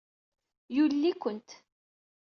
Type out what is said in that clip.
Yulel-ikent.